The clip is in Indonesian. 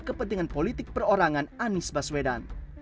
kepentingan politik perorangan anies baswedan